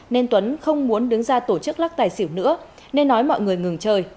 nên tuấn không muốn đứng ra tổ chức lắc tài xỉu nữa nên nói mọi người ngừng chơi